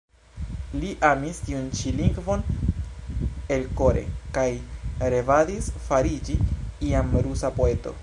Li amis tiun ĉi lingvon elkore, kaj revadis fariĝi iam rusa poeto.